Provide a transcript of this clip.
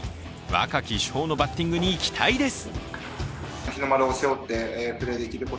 若き主砲のバッティングに期待です。